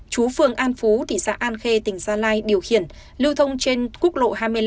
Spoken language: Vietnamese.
chú phường an phú thị xã an khê tỉnh gia lai điều khiển lưu thông trên quốc lộ hai mươi năm